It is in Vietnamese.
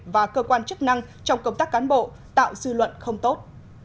và cơ quan chức năng trong công tác cán bộ tạo dư luận không tốt